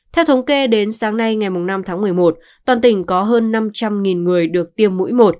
theo thống kê đến sáng nay ngày năm tháng một mươi một toàn tỉnh có hơn năm trăm linh người được tiêm mũi một